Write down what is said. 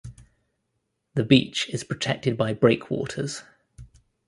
The beach is protected by breakwaters.